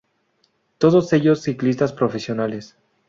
Todos ellos ciclistas profesionales.